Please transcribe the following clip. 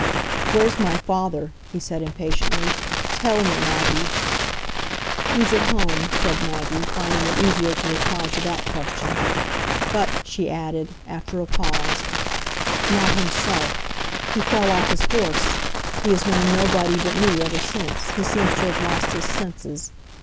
"Where's my father?" he said impatiently. "Tell me, Maggie." "He's at home," said Maggie, finding it easier to reply to that question. "But," she added, after a pause, "not himself—he fell off his horse. He has known nobody but me ever since—he seems to have lost his senses.